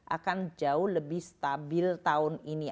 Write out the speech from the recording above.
akan jauh lebih stabil tahun ini